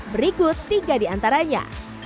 berikut tiga di antaranya